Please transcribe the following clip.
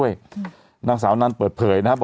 ชอบคุณครับ